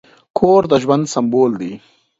کور د ژوند سمبول دی.